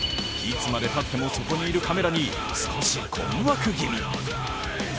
いつまでたっても、そこにいるカメラに少し困惑気味。